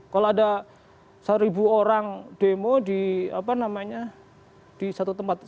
kalau ada seribu orang demo di apa namanya di satu tempat